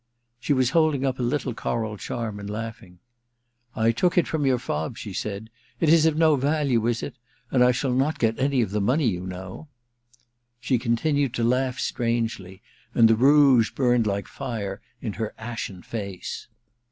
She was holding up a little cond charm and laughing. ^ I took it from your fob,' she said. * It is of no value, is it ? And I shall not get any of the money, you know.* She continued to laugh strangely, and the rouge burned like fire in her ashen face.